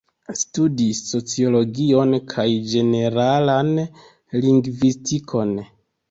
Studis sociologion kaj ĝeneralan lingvistikon.